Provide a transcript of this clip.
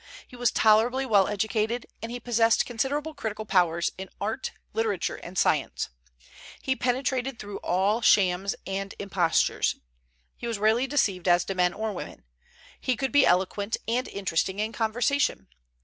He was tolerably well educated, and he possessed considerable critical powers in art, literature, and science. He penetrated through all shams and impostures. He was rarely deceived as to men or women. He could be eloquent and interesting in conversation.